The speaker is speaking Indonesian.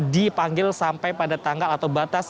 dipanggil sampai pada tanggal atau batas